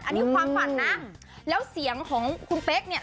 อันนี้ความฝันนะแล้วเสียงของคุณเป๊กเนี่ย